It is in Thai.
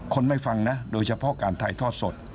คนไม่ฟังนะโดยเฉพาะการถ่ายทอดสด